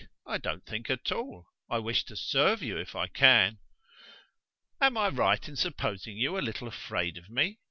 I don't think at all; I wish to serve you if I can." "Am I right in supposing you a little afraid of me?